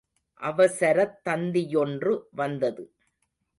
அவசரத் தந்தியொன்று வந்தது.